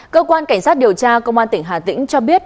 cơ quan cảnh sát điều tra công an tỉnh hà tĩnh cho biết